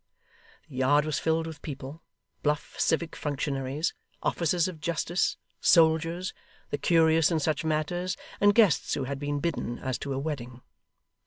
The yard was filled with people; bluff civic functionaries, officers of justice, soldiers, the curious in such matters, and guests who had been bidden as to a wedding.